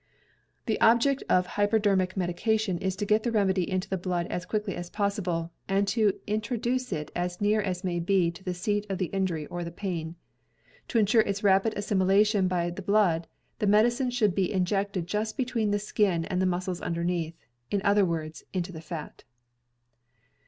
The object of hypodermic medication is to get the rernedy into the blood as quickly as possible and to introduce it as near as may be to the seat of injury or the pain. To insure its rapid assimilation by the blood, the medicine should be injected just between the skin and the muscles underneath; in other words, into the fat.